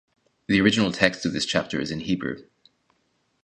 The original text of this chapter is in Hebrew.